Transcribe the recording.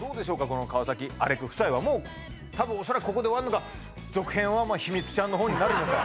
この川崎・アレク夫妻はもうたぶん恐らくここで終わるのか続編はヒミツちゃんのほうになるのか